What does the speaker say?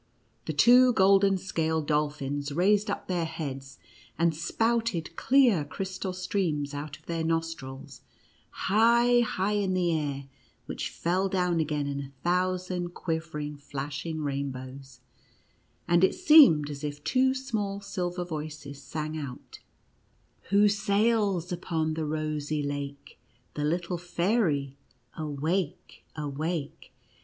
The two golden scaled dolphins raised up their heads, and spouted clear, crystal streams out of their nostrils, high, high in the air, which fell down again in a thousand quivering, flashing rainbows, and it seemed as if two small silver voices sans: out: "Who sails upon the rosy lake? The little fairy — awake, awake